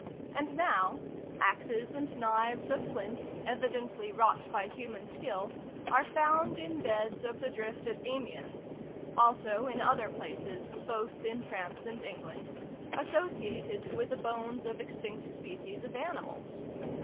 And now, "axes and knives of flint, evidently wrought by human skill, are found in beds of the drift at Amiens, (also in other places, both in France and England,) associated with the bones of extinct species of animals."